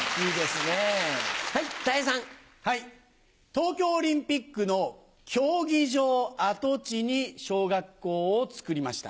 東京オリンピックの競技場跡地に小学校を造りました。